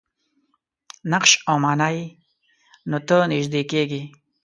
نقش او معنا یې نو ته نژدې کېږي.